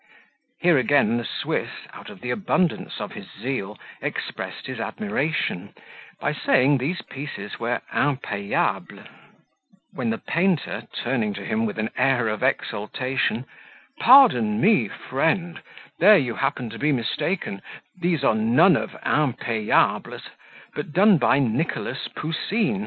Here again, the Swiss, out of the abundance of his zeal, expressed his admiration, by saying these pieces were impayable; when the painter, turning to him, with an air of exultation, "Pardon me, friend, there you happen to be mistaken: these are none of Impayable's; but done by Nicholas Pouseen.